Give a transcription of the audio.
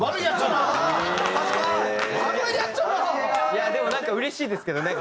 いやでもなんかうれしいですけどね。